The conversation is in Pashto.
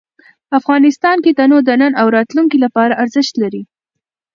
افغانستان کې تنوع د نن او راتلونکي لپاره ارزښت لري.